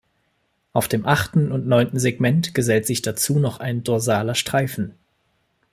Auf dem achten und neunten Segment gesellt sich dazu noch ein dorsaler Streifen.